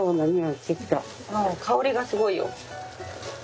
もう香りがすごいよ。